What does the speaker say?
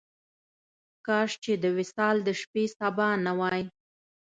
کاش چې د وصال د شپې سبا نه وای.